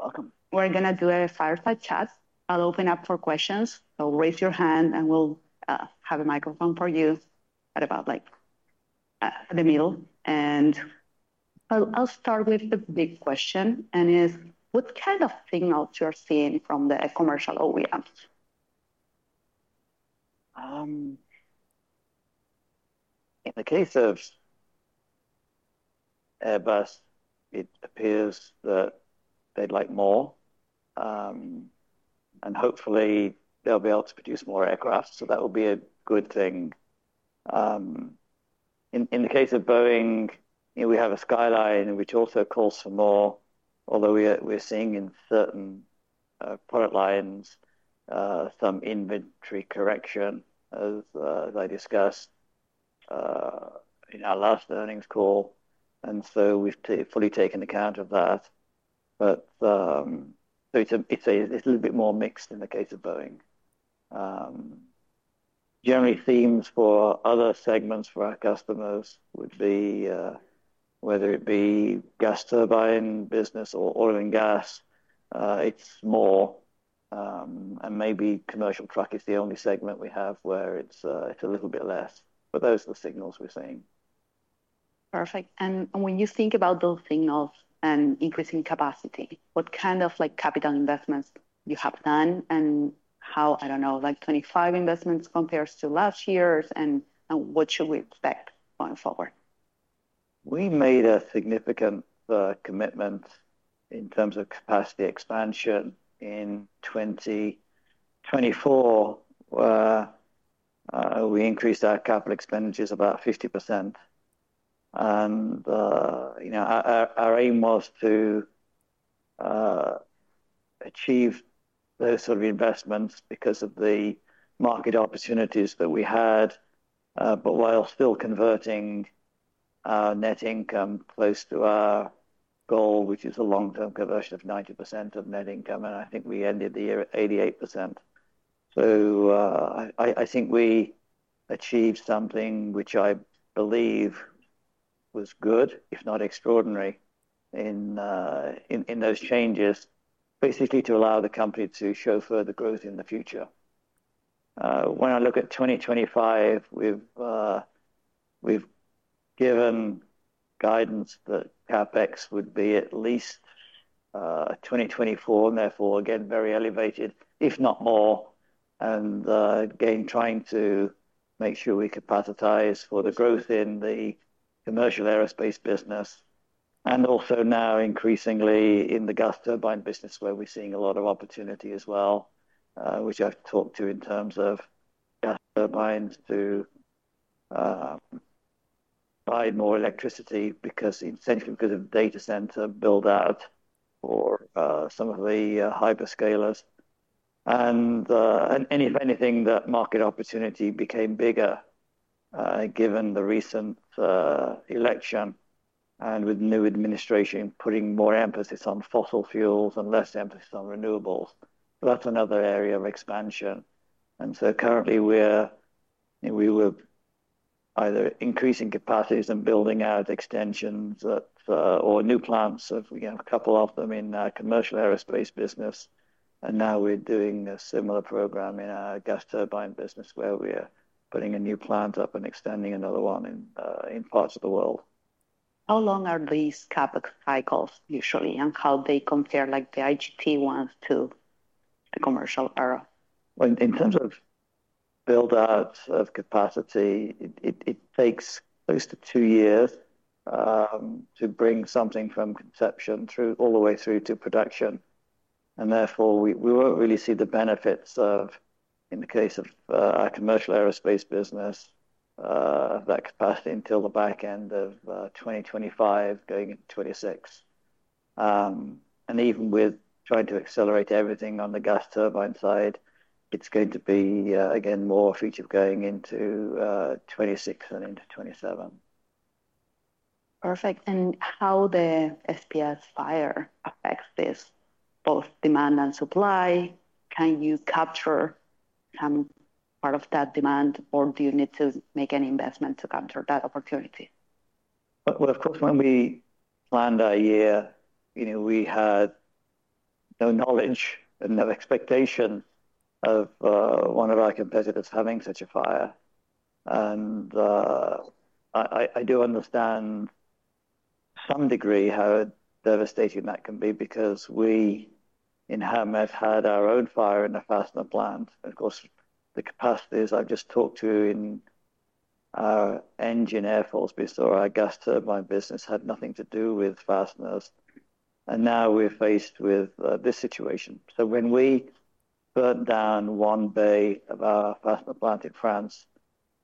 Welcome. We're going to do a fireside chat. I'll open up for questions. Raise your hand, and we'll have a microphone for you at about the middle. I'll start with the big question, and it's, what kind of signals you're seeing from the commercial OEMs? In the case of Airbus, it appears that they'd like more, and hopefully, they'll be able to produce more aircraft. That will be a good thing. In the case of Boeing, we have a skyline, which also calls for more, although we're seeing in certain product lines some inventory correction, as I discussed in our last earnings call. We've fully taken account of that. It is a little bit more mixed in the case of Boeing. Generally, themes for other segments for our customers would be whether it be gas turbine business or oil and gas, it's more. Maybe commercial truck is the only segment we have where it's a little bit less. Those are the signals we're seeing. Perfect. When you think about those signals and increasing capacity, what kind of capital investments you have done and how, I do not know, 25 investments compares to last year's, and what should we expect going forward? We made a significant commitment in terms of capacity expansion in 2024, where we increased our capital expenditures about 50%. Our aim was to achieve those sort of investments because of the market opportunities that we had, while still converting our net income close to our goal, which is a long-term conversion of 90% of net income. I think we ended the year at 88%. I think we achieved something which I believe was good, if not extraordinary, in those changes, basically to allow the company to show further growth in the future. When I look at 2025, we've given guidance that CapEx would be at least 2024, and therefore, again, very elevated, if not more. Again, trying to make sure we capacitize for the growth in the commercial aerospace business. Also now, increasingly, in the gas turbine business, where we're seeing a lot of opportunity as well, which I've talked to in terms of gas turbines to buy more electricity essentially because of data center build-out for some of the hyperscalers. If anything, that market opportunity became bigger given the recent election and with new administration putting more emphasis on fossil fuels and less emphasis on renewables. That's another area of expansion. Currently, we were either increasing capacities and building out extensions or new plants. We have a couple of them in our commercial aerospace business. Now we're doing a similar program in our gas turbine business, where we're putting a new plant up and extending another one in parts of the world. How long are these CapEx cycles usually, and how do they compare the IGT ones to the commercial aero? In terms of build-out of capacity, it takes close to two years to bring something from conception all the way through to production. Therefore, we won't really see the benefits in the case of our commercial aerospace business, that capacity until the back end of 2025, going into 2026. Even with trying to accelerate everything on the gas turbine side, it's going to be, again, more future going into 2026 and into 2027. Perfect. How does the SPS fire affect this, both demand and supply? Can you capture some part of that demand, or do you need to make an investment to capture that opportunity? Of course, when we planned our year, we had no knowledge and no expectation of one of our competitors having such a fire. I do understand to some degree how devastating that can be because we in Howmet have had our own fire in a fastener plant. Of course, the capacities I have just talked to in our engine air force business or our gas turbine business had nothing to do with fasteners. Now we are faced with this situation. When we burnt down one bay of our fastener plant in France,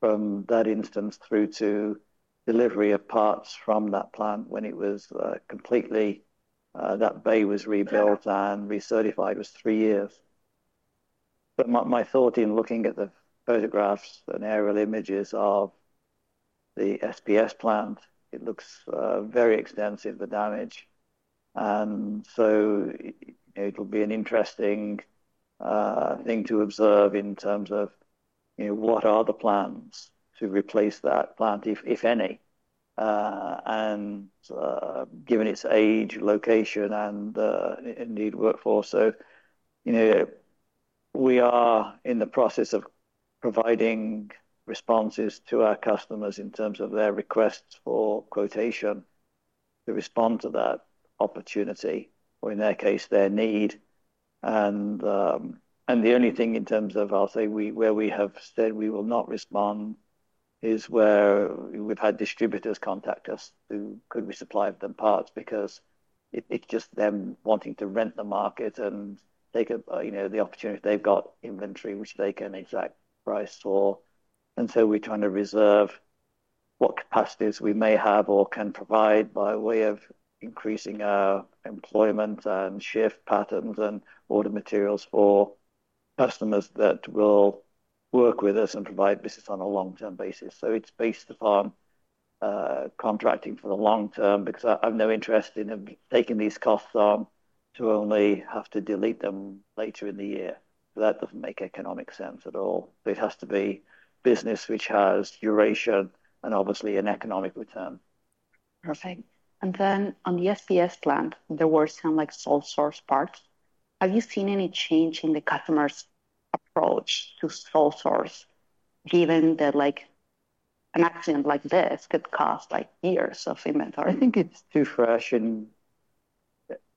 from that instance through to delivery of parts from that plant when it was completely, that bay was rebuilt and recertified, it was three years. My thought in looking at the photographs and aerial images of the SPS plant, it looks very extensive, the damage. It will be an interesting thing to observe in terms of what are the plans to replace that plant, if any, and given its age, location, and indeed workforce. We are in the process of providing responses to our customers in terms of their requests for quotation to respond to that opportunity, or in their case, their need. The only thing in terms of, I'll say, where we have said we will not respond is where we've had distributors contact us to ask if we could supply them parts because it's just them wanting to rent the market and take the opportunity they've got inventory, which they can exact price for. We are trying to reserve what capacities we may have or can provide by way of increasing our employment and shift patterns and order materials for customers that will work with us and provide business on a long-term basis. It is based upon contracting for the long term because I have no interest in taking these costs on to only have to delete them later in the year. That does not make economic sense at all. It has to be business which has duration and obviously an economic return. Perfect. On the SPS plant, there were some sole-source parts. Have you seen any change in the customer's approach to sole source, given that an accident like this could cost years of inventory? I think it's too fresh in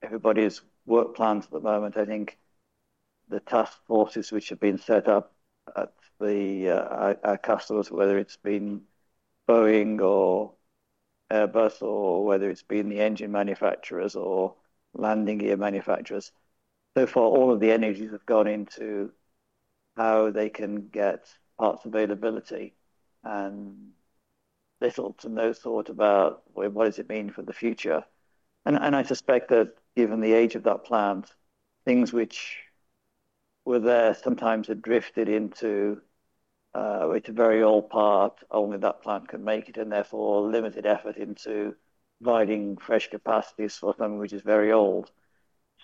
everybody's work plans at the moment. I think the task forces which have been set up at our customers, whether it's been Boeing or Airbus or whether it's been the engine manufacturers or landing gear manufacturers, so far, all of the energies have gone into how they can get parts availability and little to no thought about what does it mean for the future. I suspect that given the age of that plant, things which were there sometimes had drifted into a very old part, only that plant could make it, and therefore, limited effort into providing fresh capacities for something which is very old.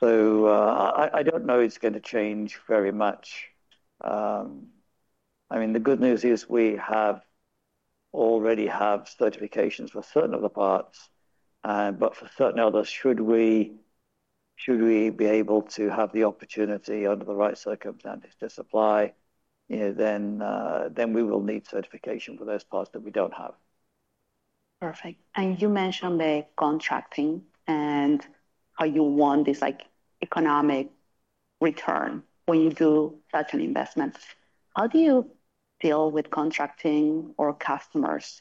I don't know it's going to change very much. I mean, the good news is we already have certifications for certain of the parts, but for certain others, should we be able to have the opportunity under the right circumstances to supply, then we will need certification for those parts that we don't have. Perfect. You mentioned the contracting and how you want this economic return when you do such an investment. How do you deal with contracting or customers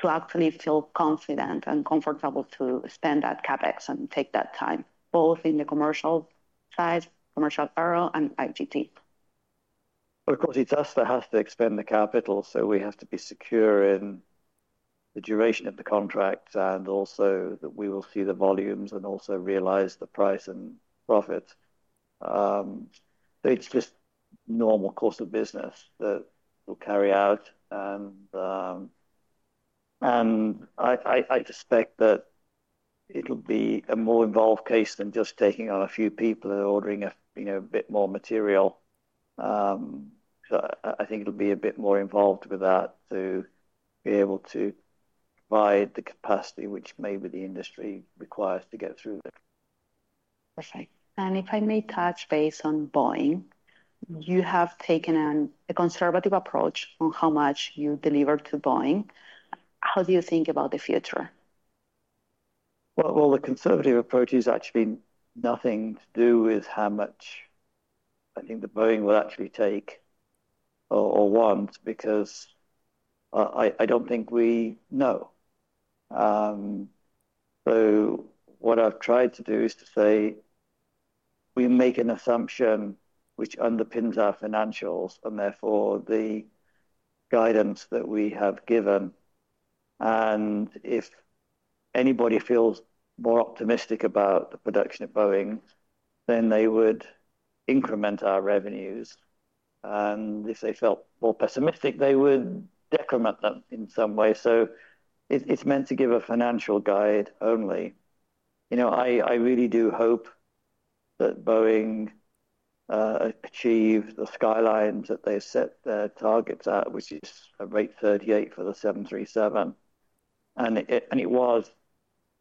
to actually feel confident and comfortable to spend that CapEx and take that time, both in the commercial side, commercial aero and IGT? Of course, it's us that has to expend the capital. We have to be secure in the duration of the contract and also that we will see the volumes and also realize the price and profits. It's just normal course of business that will carry out. I suspect that it'll be a more involved case than just taking on a few people and ordering a bit more material. I think it'll be a bit more involved with that to be able to provide the capacity which maybe the industry requires to get through. Perfect. If I may touch base on Boeing, you have taken a conservative approach on how much you deliver to Boeing. How do you think about the future? The conservative approach has actually nothing to do with how much I think that Boeing will actually take or want because I do not think we know. What I have tried to do is to say we make an assumption which underpins our financials and therefore the guidance that we have given. If anybody feels more optimistic about the production of Boeing, then they would increment our revenues. If they felt more pessimistic, they would decrement them in some way. It is meant to give a financial guide only. I really do hope that Boeing achieve the skyline that they set their targets at, which is a rate 38 for the 737. It was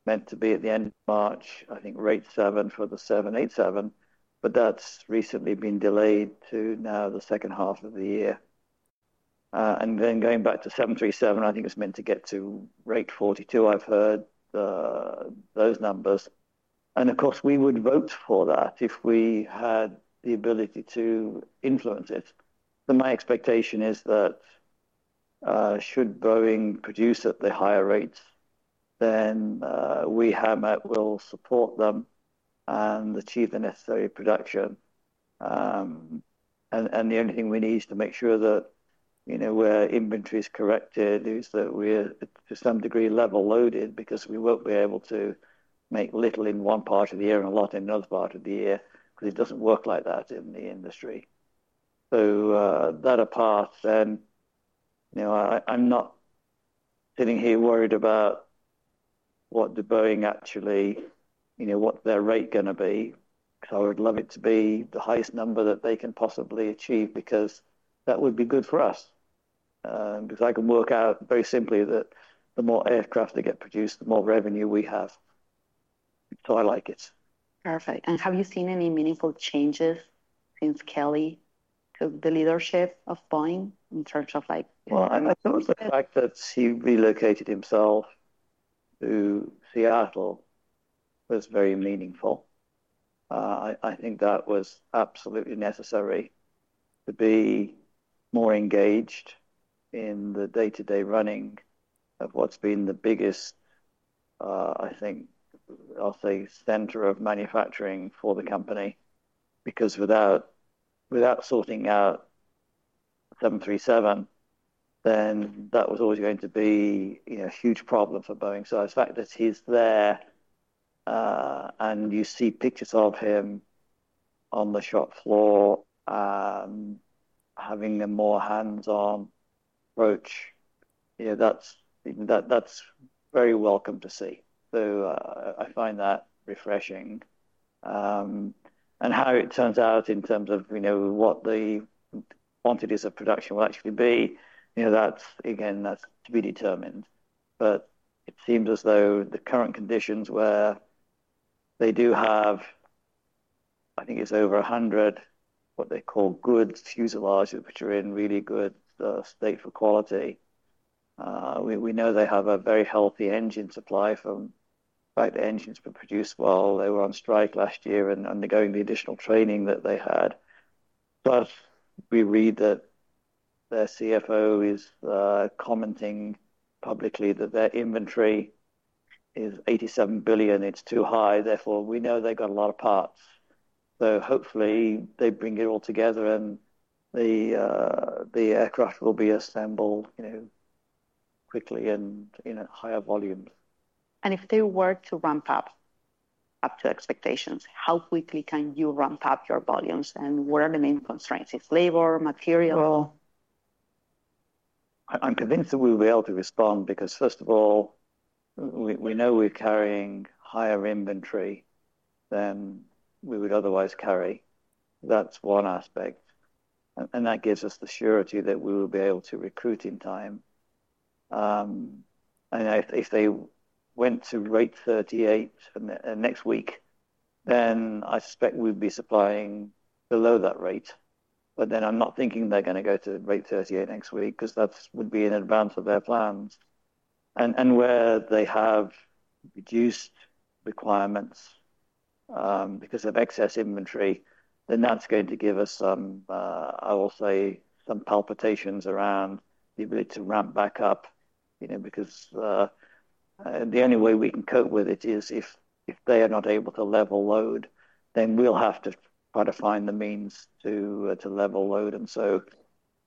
meant to be at the end of March, I think rate 7 for the 787, but that has recently been delayed to now the second half of the year. Going back to 737, I think it's meant to get to rate 42, I've heard those numbers. Of course, we would vote for that if we had the ability to influence it. My expectation is that should Boeing produce at the higher rates, then we will support them and achieve the necessary production. The only thing we need is to make sure that where inventory is corrected is that we're to some degree level loaded because we won't be able to make little in one part of the year and a lot in another part of the year because it doesn't work like that in the industry. That apart, then I'm not sitting here worried about what the Boeing actually what their rate going to be. I would love it to be the highest number that they can possibly achieve because that would be good for us. Because I can work out very simply that the more aircraft that get produced, the more revenue we have. I like it. Perfect. Have you seen any meaningful changes since Kelly took the leadership of Boeing in terms of? I thought the fact that he relocated himself to Seattle was very meaningful. I think that was absolutely necessary to be more engaged in the day-to-day running of what's been the biggest, I think, I'll say, center of manufacturing for the company. Because without sorting out 737, then that was always going to be a huge problem for Boeing. The fact that he's there and you see pictures of him on the shop floor having a more hands-on approach, that's very welcome to see. I find that refreshing. How it turns out in terms of what the quantities of production will actually be, again, that's to be determined. It seems as though the current conditions where they do have, I think it's over 100, what they call good fuselages, which are in really good state for quality. We know they have a very healthy engine supply from the fact that engines were produced well. They were on strike last year and undergoing the additional training that they had. We read that their CFO is commenting publicly that their inventory is $87 billion. It is too high. Therefore, we know they have a lot of parts. Hopefully, they bring it all together and the aircraft will be assembled quickly and in higher volumes. If they were to ramp up to expectations, how quickly can you ramp up your volumes? What are the main constraints? It's labor, material? I'm convinced that we'll be able to respond because, first of all, we know we're carrying higher inventory than we would otherwise carry. That's one aspect. That gives us the surety that we will be able to recruit in time. If they went to rate 38 next week, I suspect we'd be supplying below that rate. I'm not thinking they're going to go to rate 38 next week because that would be in advance of their plans. Where they have reduced requirements because of excess inventory, that's going to give us some, I will say, some palpitations around the ability to ramp back up because the only way we can cope with it is if they are not able to level load, we will have to try to find the means to level load.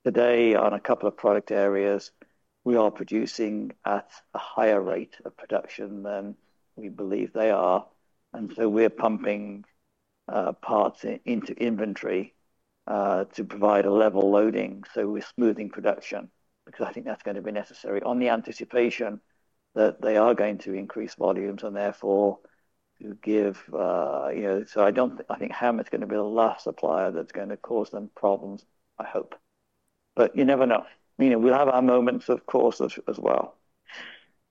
Today, on a couple of product areas, we are producing at a higher rate of production than we believe they are. We are pumping parts into inventory to provide a level loading. We are smoothing production because I think that is going to be necessary on the anticipation that they are going to increase volumes and therefore to give. I think Howmet is going to be the last supplier that is going to cause them problems, I hope. You never know. We will have our moments, of course, as well.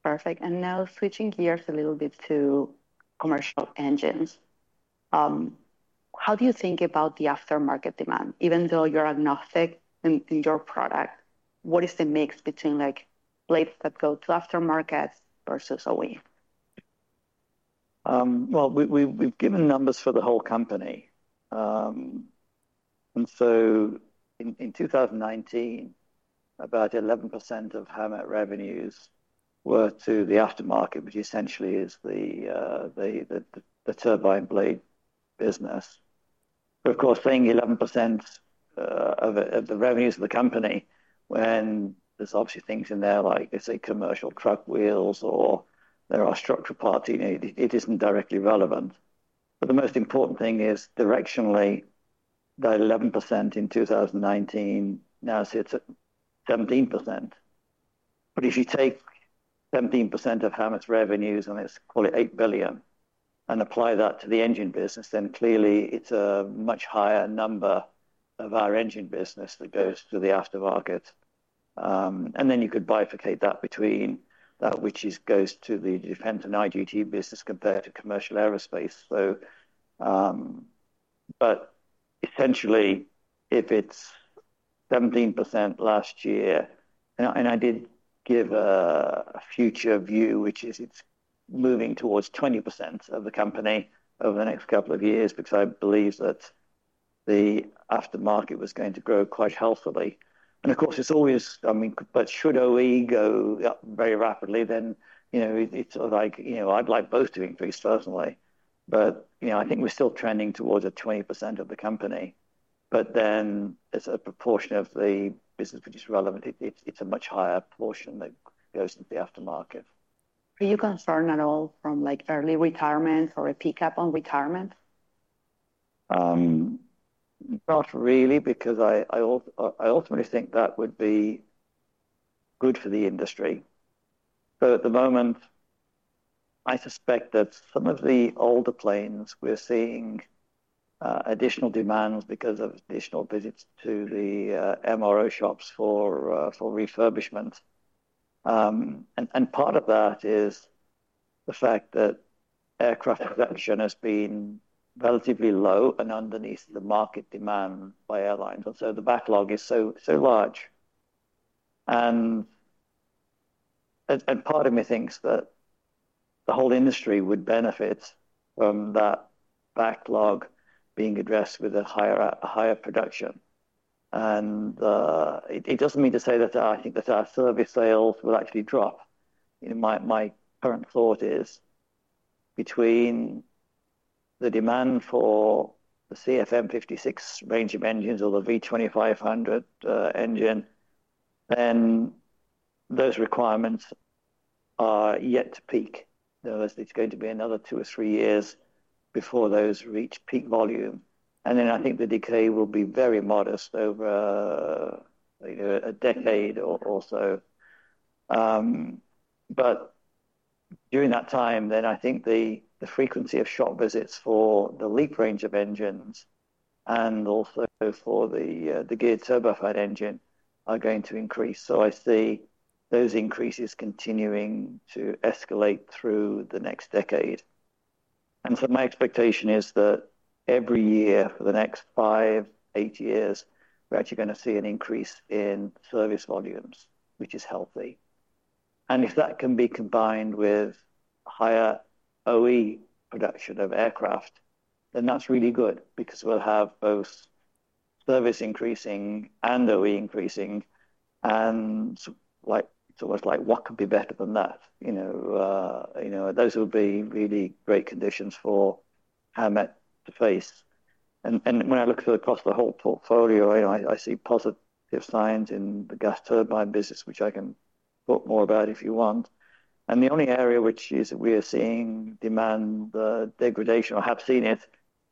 Perfect. Now switching gears a little bit to commercial engines. How do you think about the aftermarket demand? Even though you're agnostic in your product, what is the mix between plates that go to aftermarket versus OE? We have given numbers for the whole company. In 2019, about 11% of Howmet revenues were to the aftermarket, which essentially is the turbine blade business. Of course, saying 11% of the revenues of the company when there are obviously things in there like, let's say, commercial truck wheels or there are structural parts, it is not directly relevant. The most important thing is directionally, that 11% in 2019 now sits at 17%. If you take 17% of Howmet's revenues and let's call it $8 billion and apply that to the engine business, then clearly it is a much higher number of our engine business that goes to the aftermarket. You could bifurcate that between that which goes to the defense and IGT business compared to commercial aerospace. Essentially, if it's 17% last year, and I did give a future view, which is it's moving towards 20% of the company over the next couple of years because I believe that the aftermarket was going to grow quite healthily. Of course, it's always, I mean, should OE go up very rapidly, then it's sort of like, I'd like both to increase personally. I think we're still trending towards a 20% of the company. As a proportion of the business which is relevant, it's a much higher portion that goes into the aftermarket. Are you concerned at all from early retirement or a pickup on retirement? Not really because I ultimately think that would be good for the industry. At the moment, I suspect that some of the older planes, we're seeing additional demands because of additional visits to the MRO shops for refurbishment. Part of that is the fact that aircraft production has been relatively low and underneath the market demand by airlines. The backlog is so large. Part of me thinks that the whole industry would benefit from that backlog being addressed with a higher production. It does not mean to say that I think that our service sales will actually drop. My current thought is between the demand for the CFM56 range of engines or the V2500 engine, then those requirements are yet to peak. There's going to be another two or three years before those reach peak volume. I think the decay will be very modest over a decade or so. During that time, I think the frequency of shop visits for the LEAP range of engines and also for the geared turbofan engine are going to increase. I see those increases continuing to escalate through the next decade. My expectation is that every year for the next five, eight years, we're actually going to see an increase in service volumes, which is healthy. If that can be combined with higher OE production of aircraft, then that's really good because we'll have both service increasing and OE increasing. It's almost like, what could be better than that? Those would be really great conditions for Howmet to face. When I look across the whole portfolio, I see positive signs in the gas turbine business, which I can talk more about if you want. The only area which is that we are seeing demand degradation or have seen it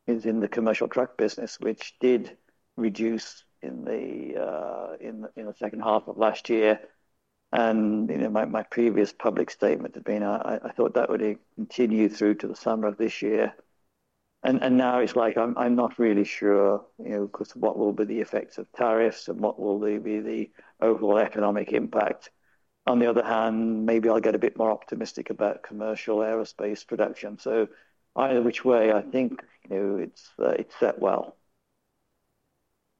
is in the commercial truck business, which did reduce in the second half of last year. My previous public statement had been, I thought that would continue through to the summer of this year. Now it's like, I'm not really sure because what will be the effects of tariffs and what will be the overall economic impact. On the other hand, maybe I'll get a bit more optimistic about commercial aerospace production. Either which way, I think it's set well.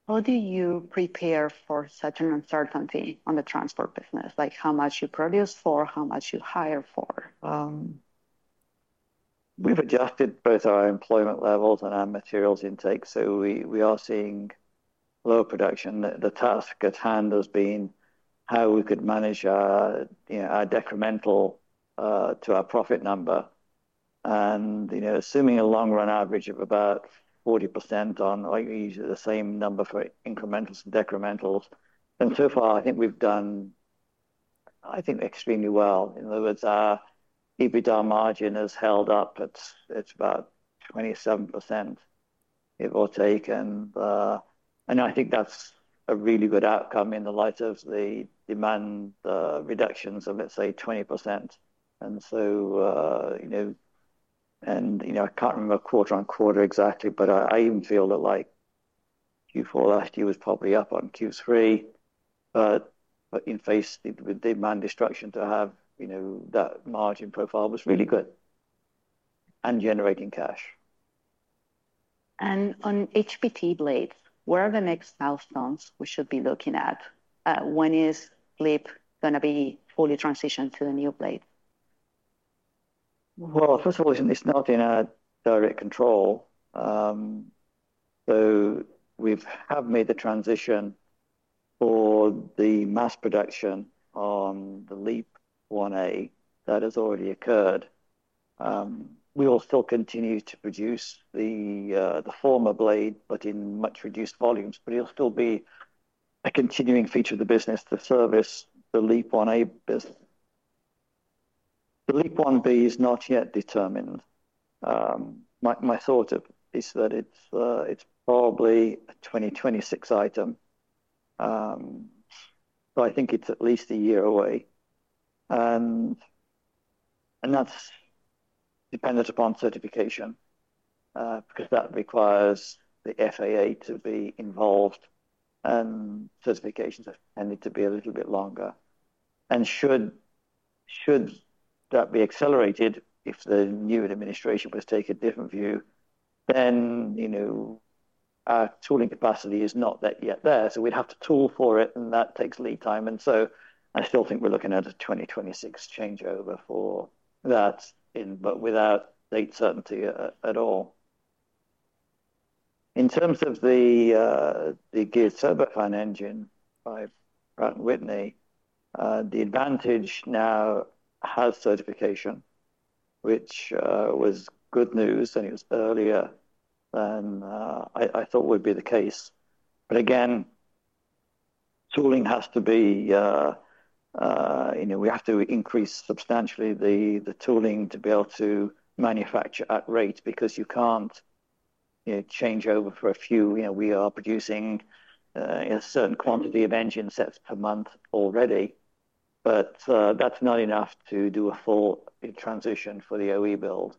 How do you prepare for such an uncertainty on the transport business? Like how much you produce for, how much you hire for? We've adjusted both our employment levels and our materials intake. We are seeing low production. The task at hand has been how we could manage our decremental to our profit number. Assuming a long run average of about 40% on usually the same number for incrementals and decrementals. So far, I think we've done, I think, extremely well. In other words, our EBITDA margin has held up. It's about 27%, give or take. I think that's a really good outcome in the light of the demand reductions of, let's say, 20%. I can't remember quarter on quarter exactly, but I even feel that Q4 last year was probably up on Q3. In face with demand destruction to have that margin profile was really good and generating cash. On HPT blades, where are the next milestones we should be looking at? When is LEAP-1B going to be fully transitioned to the new blade? First of all, it's not in our direct control. We have made the transition for the mass production on the LEAP-1A that has already occurred. We will still continue to produce the former blade, but in much reduced volumes. It will still be a continuing feature of the business to service the LEAP-1A business. The LEAP-1B is not yet determined. My thought is that it's probably a 2026 item. I think it's at least a year away. That is dependent upon certification because that requires the FAA to be involved. Certifications tend to be a little bit longer. Should that be accelerated, if the new administration was to take a different view, our tooling capacity is not yet there. We would have to tool for it, and that takes lead time. I still think we're looking at a 2026 changeover for that, but without date certainty at all. In terms of the geared turbofan engine by Pratt & Whitney, the Advantage now has certification, which was good news. It was earlier than I thought would be the case. Again, tooling has to be, we have to increase substantially the tooling to be able to manufacture at rate because you can't change over for a few. We are producing a certain quantity of engine sets per month already. That's not enough to do a full transition for the OE build.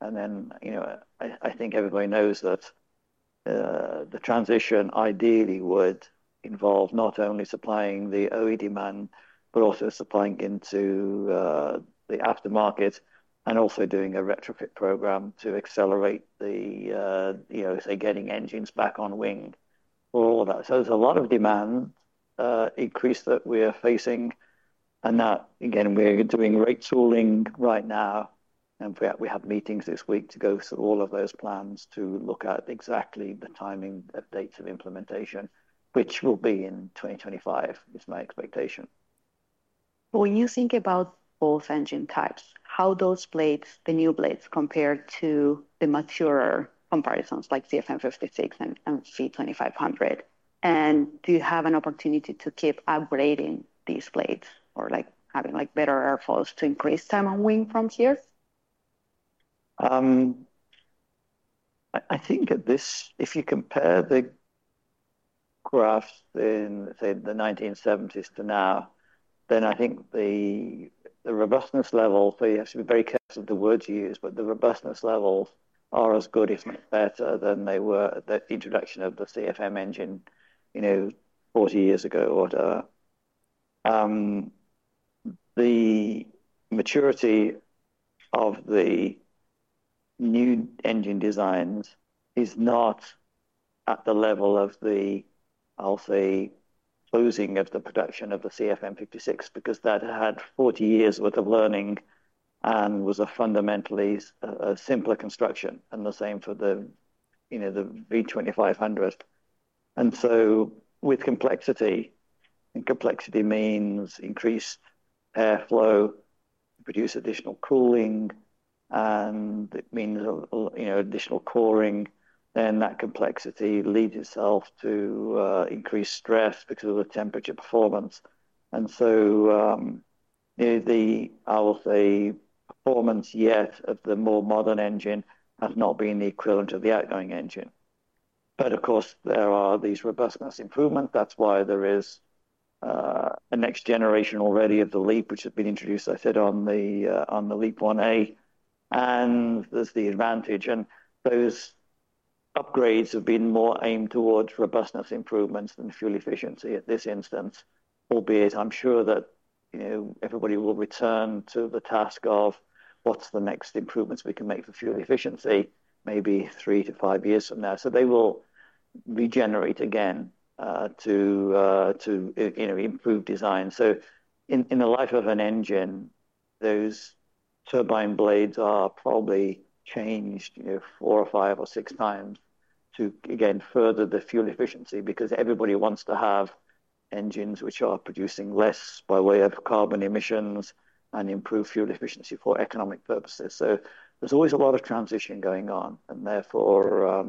I think everybody knows that the transition ideally would involve not only supplying the OE demand, but also supplying into the aftermarket and also doing a retrofit program to accelerate the, say, getting engines back on wing for all of that. There is a lot of demand increase that we are facing. Again, we're doing rate tooling right now. We have meetings this week to go through all of those plans to look at exactly the timing of dates of implementation, which will be in 2025, is my expectation. When you think about both engine types, how do those blades, the new blades, compare to the mature comparisons like CFM56 and V2500? Do you have an opportunity to keep upgrading these blades or having better airflows to increase time on wing from here? I think if you compare the graphs in, let's say, the 1970s to now, then I think the robustness level, so you have to be very careful of the words you use, but the robustness levels are as good, if not better, than they were at the introduction of the CFM engine 40 years ago or so. The maturity of the new engine designs is not at the level of the, I'll say, closing of the production of the CFM56 because that had 40 years' worth of learning and was a fundamentally simpler construction and the same for the V2500. With complexity, and complexity means increased airflow, produce additional cooling, and it means additional coring, that complexity leads itself to increased stress because of the temperature performance. I will say, performance yet of the more modern engine has not been the equivalent of the outgoing engine. Of course, there are these robustness improvements. That is why there is a next generation already of the Leap, which has been introduced, I said, on the Leap-1A. There is the advantage. Those upgrades have been more aimed towards robustness improvements than fuel efficiency at this instance, albeit I'm sure that everybody will return to the task of what's the next improvements we can make for fuel efficiency maybe three to five years from now. They will regenerate again to improve design. In the life of an engine, those turbine blades are probably changed four or five or six times to, again, further the fuel efficiency because everybody wants to have engines which are producing less by way of carbon emissions and improve fuel efficiency for economic purposes. There is always a lot of transition going on. Therefore,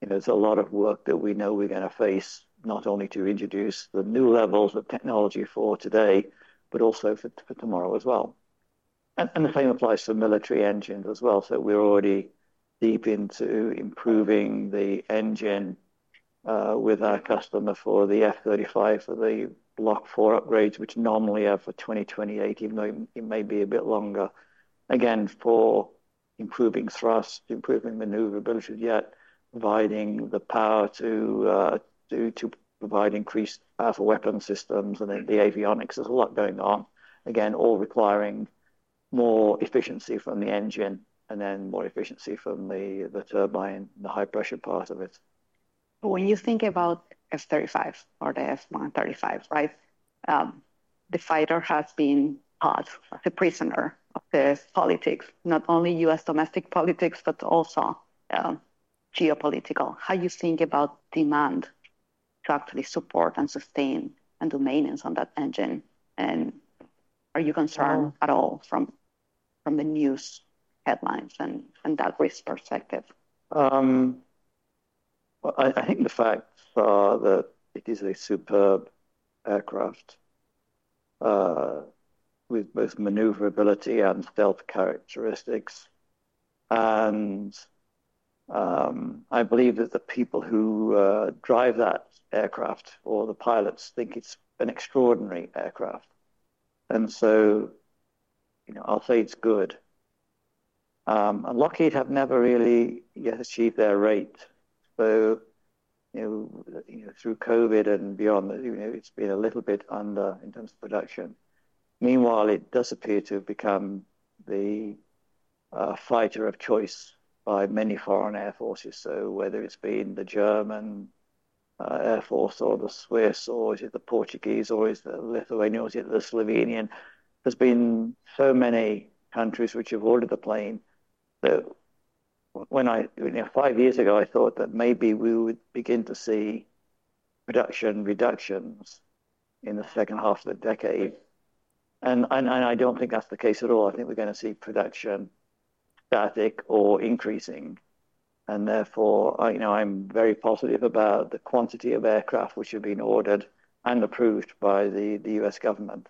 there is a lot of work that we know we are going to face not only to introduce the new levels of technology for today, but also for tomorrow as well. The same applies for military engines as well. We are already deep into improving the engine with our customer for the F-35 for the Block 4 upgrades, which normally are for 2028, even though it may be a bit longer. Again, for improving thrust, improving maneuverability, yet providing the power to provide increased power for weapon systems and the avionics. There's a lot going on, again, all requiring more efficiency from the engine and then more efficiency from the turbine and the high pressure part of it. When you think about F-35 or the F135, right, the fighter has been a prisoner of the politics, not only U.S. domestic politics, but also geopolitical. How do you think about demand to actually support and sustain and do maintenance on that engine? Are you concerned at all from the news headlines and that risk perspective? I think the fact that it is a superb aircraft with both maneuverability and stealth characteristics. I believe that the people who drive that aircraft or the pilots think it's an extraordinary aircraft. I'll say it's good. Lockheed have never really yet achieved their rate. Through COVID and beyond, it's been a little bit under in terms of production. Meanwhile, it does appear to have become the fighter of choice by many foreign air forces. Whether it's been the German Air Force or the Swiss or is it the Portuguese or is it the Lithuanian or is it the Slovenian, there have been so many countries which have ordered the plane. Five years ago, I thought that maybe we would begin to see production reductions in the second half of the decade. I don't think that's the case at all. I think we're going to see production static or increasing. Therefore, I'm very positive about the quantity of aircraft which have been ordered and approved by the US government.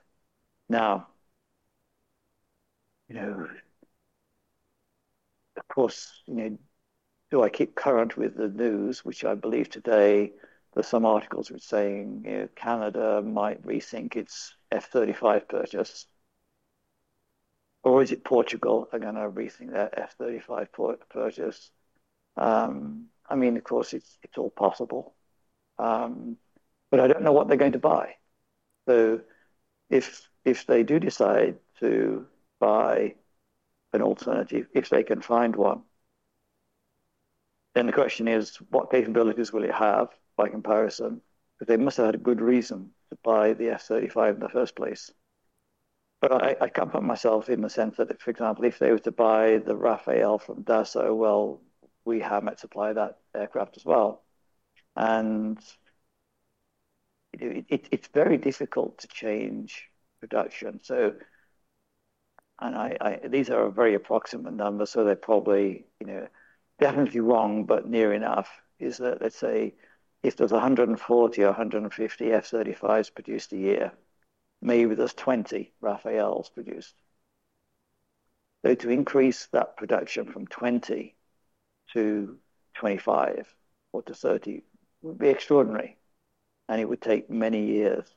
Now, of course, do I keep current with the news, which I believe today there's some articles saying Canada might rethink its F-35 purchase, or is it Portugal are going to rethink their F-35 purchase? I mean, of course, it's all possible. I don't know what they're going to buy. If they do decide to buy an alternative, if they can find one, then the question is, what capabilities will it have by comparison? They must have had a good reason to buy the F-35 in the first place. I can't put myself in the sense that, for example, if they were to buy the Rafale from Dassault, we, Howmet, supply that aircraft as well. It's very difficult to change production. These are very approximate numbers, so they're probably definitely wrong, but near enough is that, let's say, if there's 140 or 150 F-35s produced a year, maybe there's 20 Rafales produced. To increase that production from 20 to 25 or to 30 would be extraordinary. It would take many years.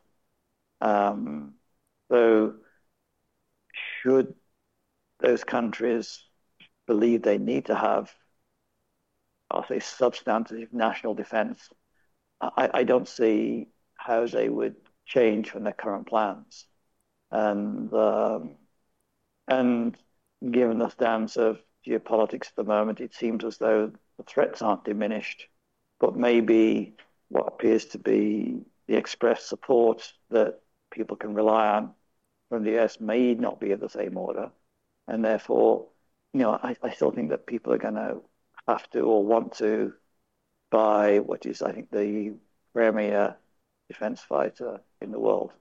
Should those countries believe they need to have, I'll say, substantive national defense, I don't see how they would change from their current plans. Given the stands of geopolitics at the moment, it seems as though the threats aren't diminished. Maybe what appears to be the express support that people can rely on from the U.S. may not be of the same order. Therefore, I still think that people are going to have to or want to buy what is, I think, the premier defense fighter in the world.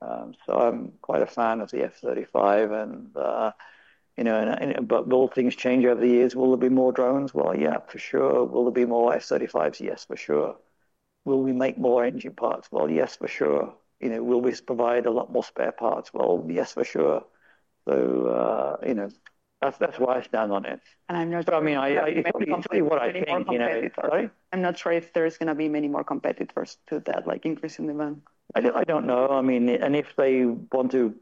I am quite a fan of the F-35. Will things change over the years? Will there be more drones? Yeah, for sure. Will there be more F-35s? Yes, for sure. Will we make more engine parts? Yes, for sure. Will we provide a lot more spare parts? Yes, for sure. That is why I stand on it. I'm not sure. I mean, I'll tell you what I think. I'm not sure if there's going to be many more competitors to that, like increasing demand. I don't know. I mean, and if they want to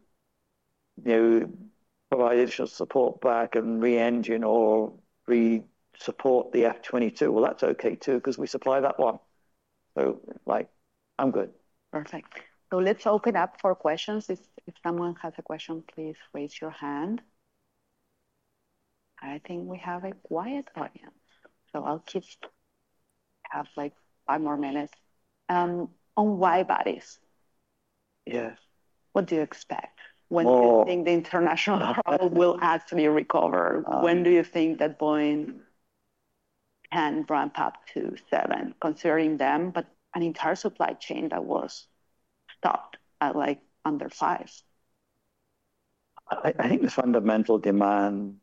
provide additional support back and re-engine or re-support the F-22, well, that's okay too because we supply that one. So I'm good. Perfect. Let's open up for questions. If someone has a question, please raise your hand. I think we have a quiet audience. I'll keep, have like five more minutes. On wide-bodies. Yes. What do you expect? When do you think the international crowd will actually recover? When do you think that Boeing can ramp up to seven, considering them, but an entire supply chain that was stopped under five? I think the fundamental demand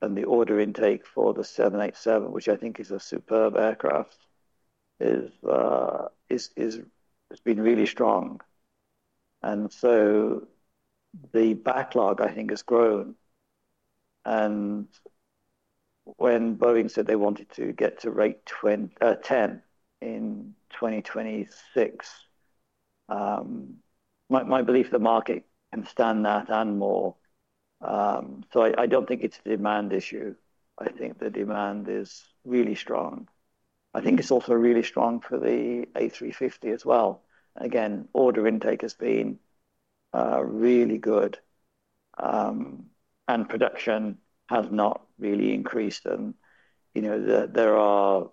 and the order intake for the 787, which I think is a superb aircraft, has been really strong. The backlog, I think, has grown. When Boeing said they wanted to get to rate 10 in 2026, my belief is the market can stand that and more. I do not think it is a demand issue. I think the demand is really strong. I think it is also really strong for the A350 as well. Again, order intake has been really good, and production has not really increased. There are,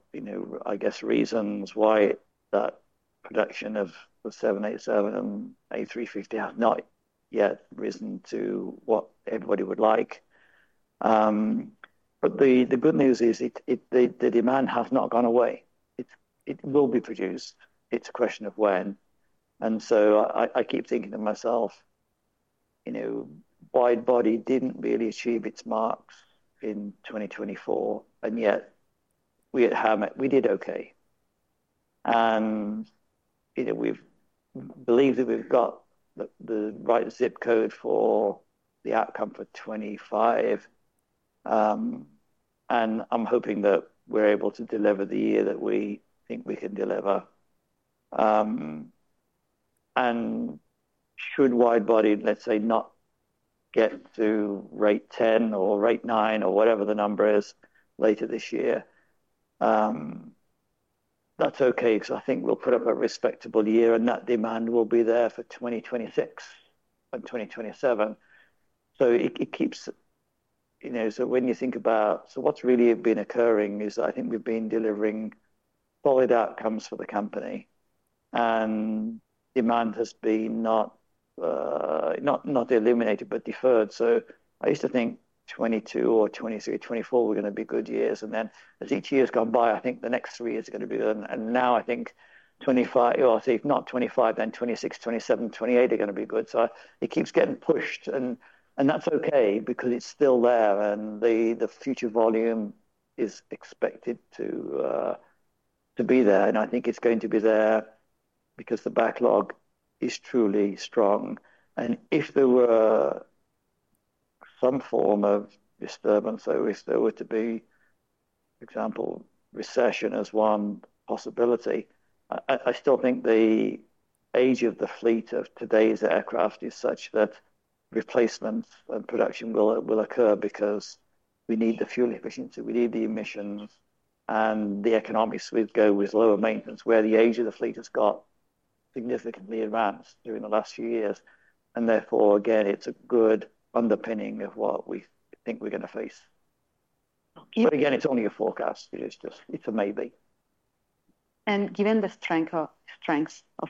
I guess, reasons why that production of the 787 and A350 has not yet risen to what everybody would like. The good news is the demand has not gone away. It will be produced. It is a question of when. I keep thinking to myself, widebody did not really achieve its marks in 2024, and yet we at Howmet, we did okay. We believe that we have got the right zip code for the outcome for 2025. I am hoping that we are able to deliver the year that we think we can deliver. Should widebody, let's say, not get to rate 10 or rate 9 or whatever the number is later this year, that is okay because I think we will put up a respectable year and that demand will be there for 2026 and 2027. It keeps, so when you think about, what has really been occurring is I think we have been delivering solid outcomes for the company. Demand has been not eliminated, but deferred. I used to think 2022 or 2023, 2024 were going to be good years. As each year has gone by, I think the next three years are going to be good. Now I think 2025, or if not 2025, then 2026, 2027, 2028 are going to be good. It keeps getting pushed. That is okay because it is still there. The future volume is expected to be there. I think it is going to be there because the backlog is truly strong. If there were some form of disturbance, for example, recession as one possibility, I still think the age of the fleet of today's aircraft is such that replacements and production will occur because we need the fuel efficiency, we need the emissions, and the economics go with lower maintenance, where the age of the fleet has got significantly advanced during the last few years. Therefore, again, it's a good underpinning of what we think we're going to face. Again, it's only a forecast. It's a maybe. Given the strength of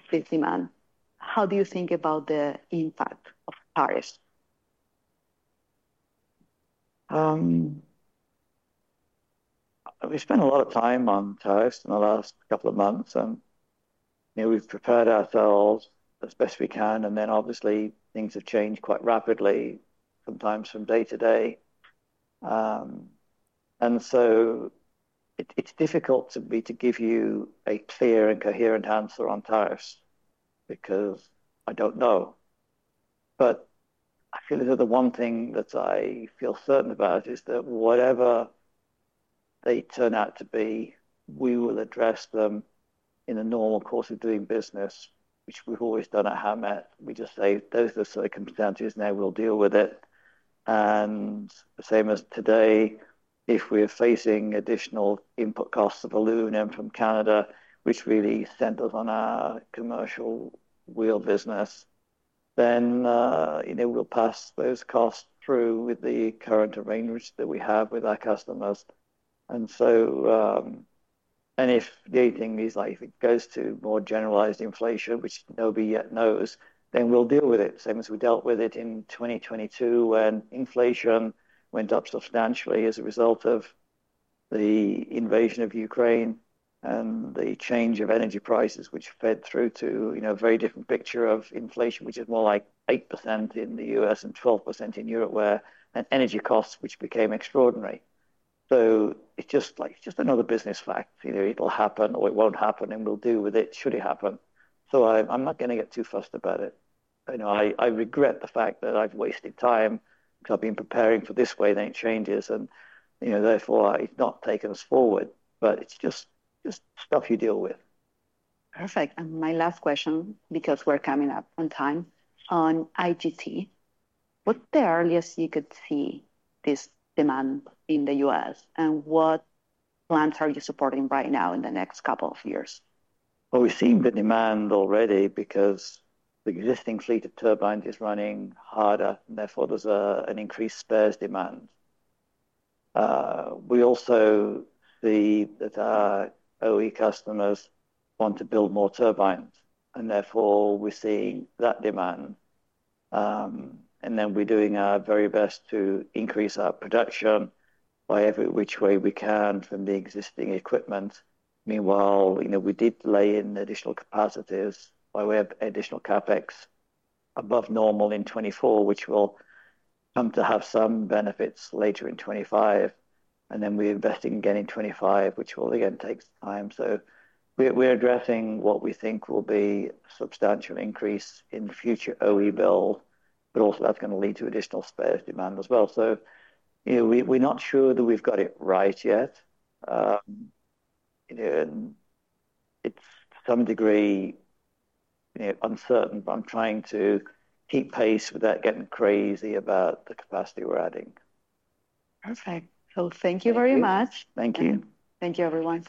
this demand, how do you think about the impact of tariffs? We spent a lot of time on tariffs in the last couple of months. We've prepared ourselves as best we can. Obviously, things have changed quite rapidly, sometimes from day to day. It's difficult for me to give you a clear and coherent answer on tariffs because I don't know. I feel that the one thing that I feel certain about is that whatever they turn out to be, we will address them in the normal course of doing business, which we've always done at Howmet. We just say those are the circumstances and we will deal with it. Same as today, if we are facing additional input costs of aluminum from Canada, which really centers on our commercial wheel business, then we'll pass those costs through with the current arrangements that we have with our customers. If it goes to more generalized inflation, which nobody yet knows, then we'll deal with it. Same as we dealt with it in 2022 when inflation went up substantially as a result of the invasion of Ukraine and the change of energy prices, which fed through to a very different picture of inflation, which is more like 8% in the U.S. and 12% in Europe, where energy costs became extraordinary. It is just another business fact. It will happen or it will not happen, and we'll deal with it should it happen. I am not going to get too fussed about it. I regret the fact that I have wasted time because I have been preparing for this way, then it changes. Therefore, it has not taken us forward, but it is just stuff you deal with. Perfect. My last question, because we're coming up on time, on IGT, what's the earliest you could see this demand in the U.S.? What plans are you supporting right now in the next couple of years? We've seen the demand already because the existing fleet of turbines is running harder, and therefore there's an increased spares demand. We also see that our OE customers want to build more turbines, and therefore we see that demand. We are doing our very best to increase our production by which way we can from the existing equipment. Meanwhile, we did lay in additional capacities by way of additional CapEx above normal in 2024, which will come to have some benefits later in 2025. We are investing again in 2025, which will again take time. We are addressing what we think will be a substantial increase in future OE bill, but also that's going to lead to additional spares demand as well. We are not sure that we've got it right yet. It is to some degree uncertain, but I'm trying to keep pace without getting crazy about the capacity we're adding. Perfect. Thank you very much. Thank you. Thank you, everyone.